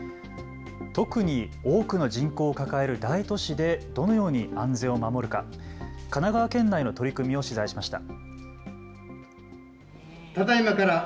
特に多くの人口を抱える大都市でどのように安全を守るか、神奈川県内の取り組みを取材しました。